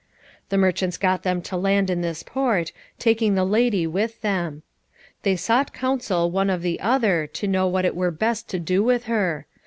The merchants got them to land in this port, taking the lady with them. They sought counsel one of the other to know what it were best to do with her.